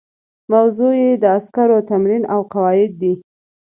موضوع یې د عسکرو تمرین او قواعد دي.